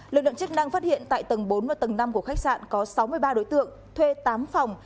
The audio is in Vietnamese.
lực lượng chức năng phát hiện tại tầng bốn và tầng năm của khách sạn có sáu mươi ba đối tượng thuê tám phòng